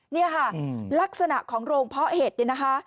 นี่ค่ะลักษณะของโรงเพาะเห็ดเนี่ยนะคะ